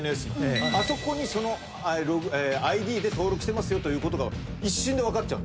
あそこにそのＩＤで登録してますよということが一瞬で分かっちゃう。